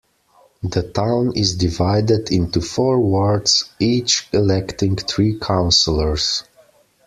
The town is divided into four wards, each electing three councillors.